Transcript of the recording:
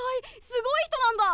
すごい人なんだ？